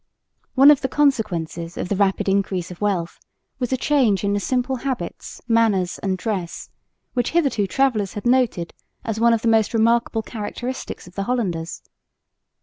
One of the consequences of the rapid increase of wealth was a change in the simple habits, manners and dress, which hitherto travellers had noted as one of the most remarkable characteristics of the Hollanders.